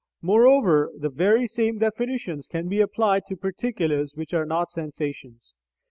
Moreover, the very same definitions can be applied to particulars which are not sensations.